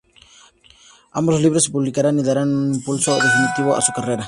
Ambos libros se publicarán y darán un impulso definitivo a su carrera.